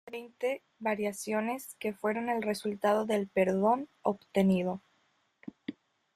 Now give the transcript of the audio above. Hay más de veinte variaciones que fueron el resultado del perdón obtenido.